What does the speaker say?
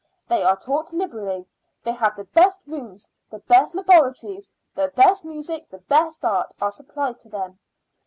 They are taught liberally; they have the best rooms, the best laboratories; the best music, the best art, are supplied to them.